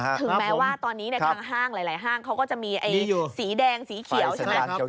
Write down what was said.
ถึงแม้ว่าตอนนี้ทางห้างหลายห้างเขาก็จะมีสีแดงสีเขียวใช่ไหม